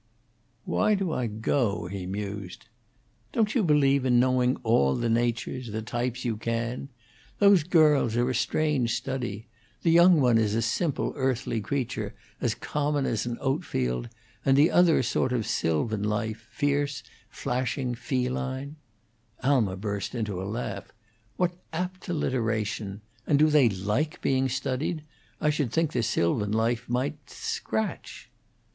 "Why do I go?" he mused. "Don't you believe in knowing all the natures, the types, you can? Those girls are a strange study: the young one is a simple, earthly creature, as common as an oat field and the other a sort of sylvan life: fierce, flashing, feline " Alma burst out into a laugh. "What apt alliteration! And do they like being studied? I should think the sylvan life might scratch."